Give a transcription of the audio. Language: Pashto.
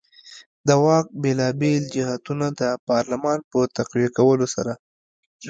د واک بېلابېل جهتونه د پارلمان په تقویه کولو سره.